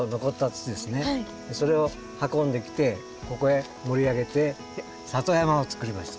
それを運んできてここへ盛り上げて里山をつくりました。